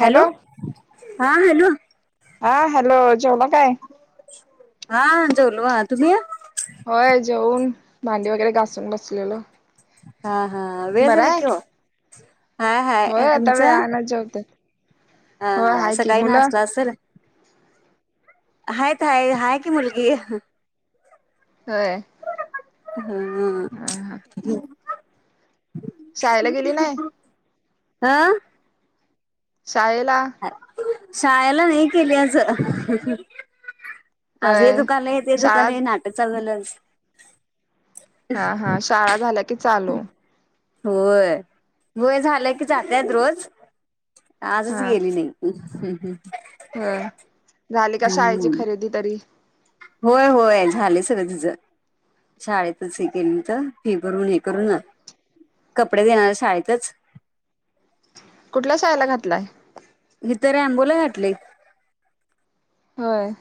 Hello हा hello हा hello जेवला काय? हा जेलू हा तुम्ही या होय जेऊन भांडी वगैरे घासून बसलेलो हा हा बरं वेळले आहे. कवा होय त आ न जाऊ ते हा हा सकाळी ना असला असेल हात आहेय आहेत की मुलगी होय हा शाळेला गेली नाही आा शाळेला शाळेला नाही गेली आज आज हे होय दुकान आहे ते शाळा दुकान नाटक चाललं त्यानचं हा हा शाळा झाल्या की चालू होय वय झालं की जातायत रोज आजच गेली नाही त ह झाली का शाळेची हम्म खरेदी तरी होय होय झाले सगळं तिझं शाळेतच हे केली तर फी भरून हे करू ना कपडे देणारऱ्या शाळेतच कुठल्या शाहाळेला घातलाय जर आंबोला घातले होय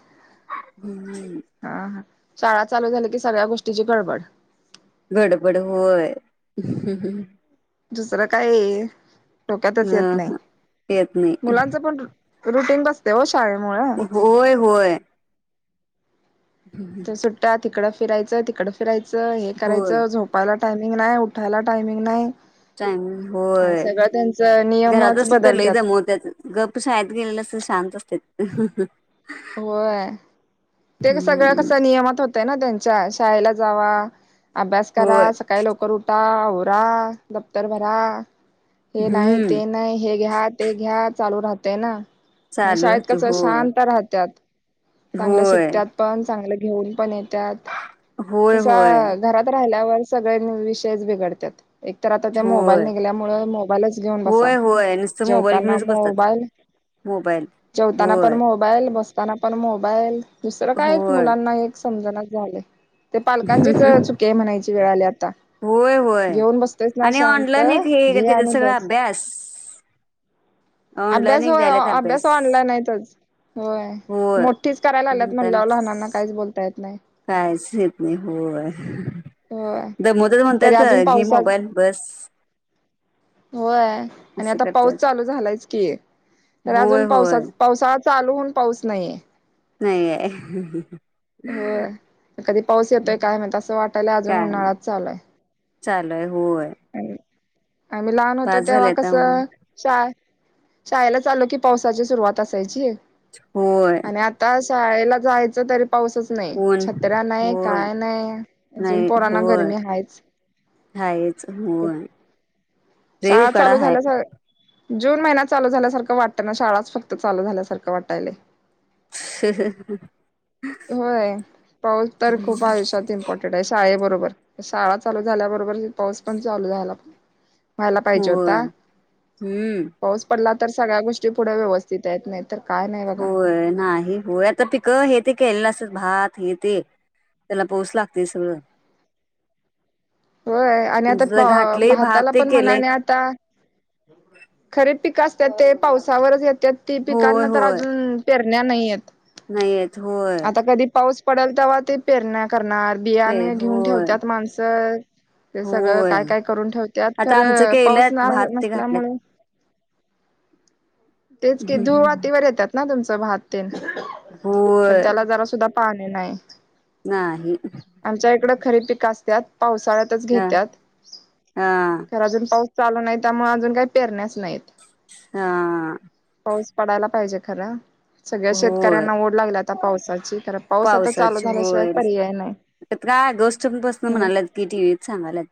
हम्म हा हा शाळा चालू झाली की सगळ्या गोष्टींची गडबड गडबड होय दुसरं काय डोक्यातच येत नाही ह येत नाही मुलांचं पण रुटीन बसते हो शाळे मु ह होय होय तर सुट्ट्या तिकडं फिरायचं तिकडं फिरायचं हे होय करायचं झोपायला टायमिंग नाही उठायला टायमिंग नाही टग होय सगळं त्यांचं घरात नियमच असल तर लै बदलत्यात जम त्या्यात गप् शाळेत गेलेलं असत शांत असते होय ते सगळ्या कस हम्म नियमात होत ना त्यांच्या शाळेला जावा अभ्यास करा होय सकाळी लवकर उठा होोरा दफ्तर भरा हे नाही हम्म ते नाही हे घ्या ते घ्या चालू राहतेय ना आणि चालू शाळेत राहतय कस होय शांत राह चांगलं होय शिकत्यात पण चांगलं घेऊन पण येत होय तस होय घरात राहिल्यावर सगळे विषय बिघडतात एक तर आता त्या होय मोबाईल निघल्यामुळे मोबाईलच घेऊन बसा होय होय नुसतं मोबाईल जेवताना घेऊनच बसतात मोबाईल मोबाईल जेवताना पण होय मोबाईल बस असताना पण मोबाईल दुसरं काय होय मुलांना एक समजणच झाले ते पालकांचीच चुकी आहे म्हणायची वेळ आल्यात होय होय घेऊन बसतस ना आणि शांत ऑनलाईन एक हे घे त्याचा आणि सगळा बस अभ्यास ऑनलाईन अभ्यास एक होय द्यायलात अभ्यास ऑनलाईन यच होय होय मोठीच करायला आल्यात म्हणल्या लहानांना म्हणतानाच काहीच बोलता येत नाही कायच येत नाही होय होय दमद तरी अजून म्हणतायच घी पावसात मोबाईल बस होय आणि असं आता पाऊस करतात चालू झालायच की तर होय अजून होय पावसा पावसाळा चालूहून पाऊस नाहीये होय. नाही कधी पाऊस येतोय काय मात असं वाटायला अजून उन्हाळात चालूय चालय होय आम्ही लहान होतो बास तेव्हा झालंय आता उन्हा कसं शा शाळेला चालो की पावसाची सुरुवात असायची होय आणि आता शाळेला जायच तरी पाऊसच नाही ऊन छतरा्या नाही होय काय नाही अजून पराना गरमी हाच कायच होन शाळा चालू झाल्या स जून महिन्यात चालू झाल्यासारखं वाटत ना शाळाच फक्त चालू झाल्यासारखं वाटायला ह् ह ह होय पाऊस तर खूप आयुष्यात इम्पॉर्टंट आहे शाळेबरोबर र शाळा चालू झाल्या बरोबर पाऊस पण चालू झायलाण व्हायला पाहिजे होता होय हम्म पाऊस पडला तर सगळ्या गोष्टी पुढे व्यवस्थित येत नाहीत होय नाही होय आता पिक हे ते केलं अस भात येते त्याला पोच लागते सगळं होय आणि आता आमचं तर घाटले भात भाताला ते पण केलंय म्हणाने आता खरे पिक अस तर ते पावसावर घेत्यात ते पिकांना तर अजून पेरण्या नाहीयेत नाहीयत होय पडलं तेव्हा ते पेरण्या करणार पे बियाणे घेऊन होय ठेवतात माणसं ते सगळं होय काय काय करून ठेवत्यात आता आमचं खरं पाऊस केलंत भात नाही ते घातल्यात नसल्यामुळे [inaudible] तेचं की धुवातीवर येतात ना तुमचं भात तेन पण होय त्याला जरा सुद्धा पाणी नाही नाही आमच्या इकडं खरीब पिक असत्यात पावसाळ्यांत हा घेत्यात हा तर अजून पाऊस चालू नाही, त्यामुळे अजून काय पेरण्या हा पाऊस पडायला पाहिजे खरं सगळ्या होय शेतकऱ्यांना ओढ लागलीया आता पावसाची खरं पाऊस आता चालू पावसाची झाल्याशिवाय होय पर्याय नाही. त्यात काय आँगस्ट म्हणाल्यात की टीव्हीत सांगाल्यात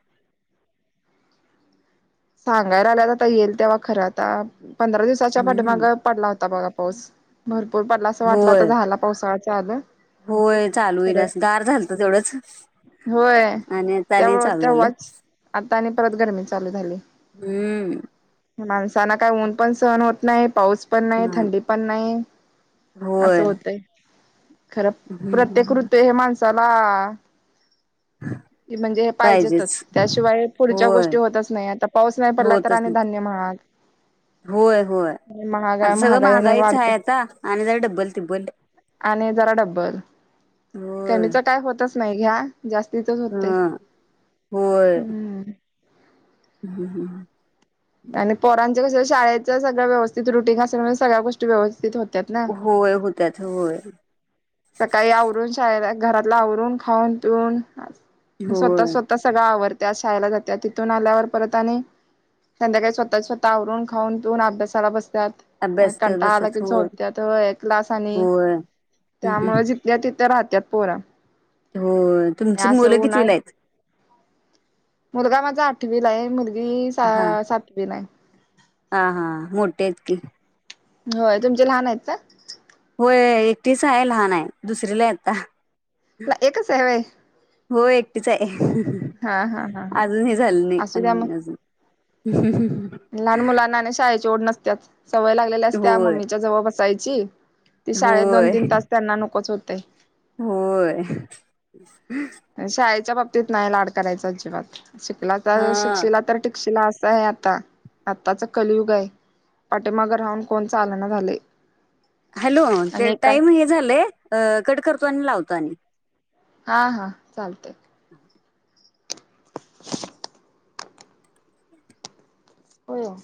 सांगा लागल्यात आता येईल तेव्हा खरं आता पंधरा दिवसाच्या हम्म पाठीमागं पडला होता, बघा पाऊस भरपूर पडला असं वाटलं होय झाला पाऊसा होय चालू होईल असं गार झालत तेवढंच होय आणि आता त्य आणि चालू झालं तेव्हाच आता आणि परत गरमी चालू झाली हम्म माणसांना काय ऊन पण सहण होत नाही, पाऊस पण नाही, थंडी पण नाही असं होय. होतय खरं प्रत्येक हम्म. ऋतू हे माणसाला ती म्हणजे पाहिजेच. पाहिजेतच त्याशिवाय पुढच्या होय. गोष्टी होतंच नाही आता पाऊस नाही पडला तर होतच आणि नाही. धान्य महाग होय होय महागा आता सगळं महागाईने महागाईच वाढते आहे, आता आणि जर डब्बल तिब्बल आणि जरा डब्बल कमीच काय होतंच नाही घ्या जास्तीचच हा होतंय होय हम्म हम्म हम् आणि पोरांचे कसं शाळेचं सगळं व्यवस्थित रुटींग असेल, सगळ्या गोष्टी व्यवस्थित होत्यात ना होय होत्यात होय सकाळी आवरून शाळला घरातलं आवरून खाऊन पिऊन स्वतः होय. स्वतः सगळं आवरत्या शाळेला जात्यातिथून आल्यावर परत आणि संध्याकाळी स्वतः स्वतः आवरून खाऊन पिऊन अभ्यासाला बस त्यात अन अभ्यास करत कंटाळा आला बसत्यात. की होय. झोपत्यात व्हय क्लास आणि होय. हम्म. त्यामुळं जिथल्या तिथं राहत्यात पोरं होय. आणि तुमची असं मुलं कितवीला उनाड आहेत? मुलगा माझा आठवीला हाय, मुलगी हा. सातवीला हाय. हा हा मोठे आहेत की होय, तुमचे लहान आहेत काय? होय एकटीच आहे लहान आहे दुसरीला हाय आता एकच हाय व्हयं हो एकटीच आहे हा हा हा अजून हे झालं नाही असू द्या मग आणि अजून [inaudible] लहान मुलांना आणि शाळेची ओढ नसत्याच सवय लागलेली असत्या होय मम्मीच्या जवळ बसायची ते शाळेत होय दोन, तीन तास त्यांना नकोच होतंय. होय. शाळेच्या बाबतीत नाही लाड करायचा अजिबात शिकला हा तर शिकशीला तर टिकशिला असं हाय आता आताच कलयुग हाय. पाठिमाग राहून कोण चालना झालंय. हॅलो ते टाइम हे झालंय कट करतो, आणि लावतो आणि हा हा चालतंय. होय ओ